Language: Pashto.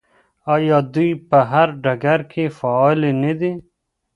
آیا دوی په هر ډګر کې فعالې نه دي؟